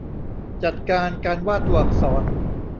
จัดการการวาดตัวอักษร